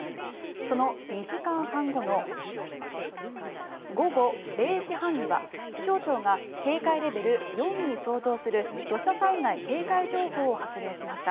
その２時間半後の午後０時半には気象庁が警戒レベル４に相当する土砂災害警戒情報を発令しました。